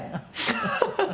「ハハハハ！」